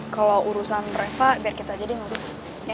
kalau urusan reva biar kita aja deh ngurus